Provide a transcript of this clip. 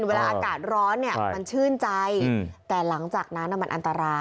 เวลาอากาศร้อนเนี่ยมันชื่นใจแต่หลังจากนั้นมันอันตราย